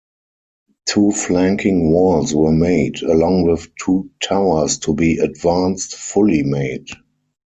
Two flanking walls were made, along with two towers to be advanced fully made.